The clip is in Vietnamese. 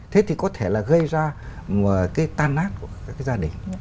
thế thì có thể là gây ra một cái tan nát của các gia đình